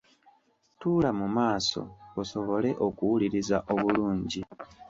Tuula mu maaso osobole okuwuliriza obululngi.